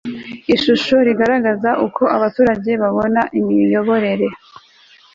ishusho igaragaza uko abaturage babona imiyoborere